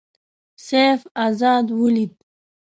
سیف آزاد ولید.